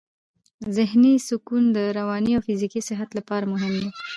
ذهني سکون د رواني او فزیکي صحت لپاره مهم دی.